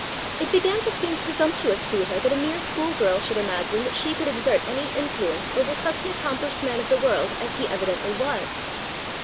It began to seem presumptuous to her that a mere school girl should imagine that she could exert any influence over such an accomplished man of the world as he evidently was.